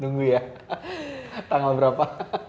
nunggu ya tanggal berapa